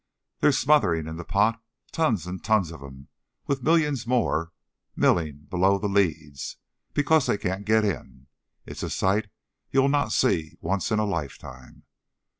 They're smothering in the pot, tons and tons of 'em, with millions more milling below the leads because they can't get in. It's a sight you'll not see once in a lifetime."